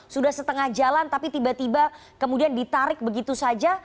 sudah setengah jalan tapi tiba tiba kemudian ditarik begitu saja